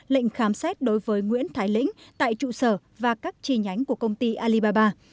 lệnh khám xét đối với nguyễn thái lĩnh tại trụ sở và các chi nhánh của công ty alibaba